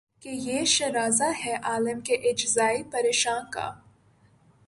کہ یہ شیرازہ ہے عالم کے اجزائے پریشاں کا